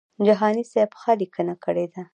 جهاني سیب ښه لیکنه کړې ده.